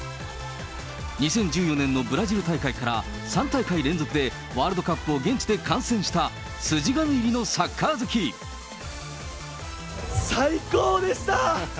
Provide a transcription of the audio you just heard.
２０１４年のブラジル大会から、３大会連続でワールドカップを現地で観戦した筋金入りのサッカー最高でした！